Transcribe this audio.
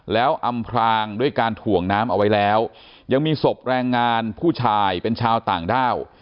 แล้วอำพรางด้วยการถ่วงน้ำเอาไว้แล้วยังมีศพแรงงานผู้ชายเป็นชาวต่างด้าว